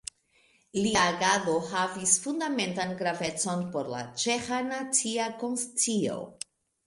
Lia agado havis fundamentan gravecon por la ĉeĥa nacia konscio.